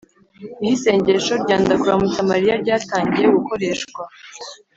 niho isengesho rya ndakuramutsa mariya ryatangiye gukoreshwa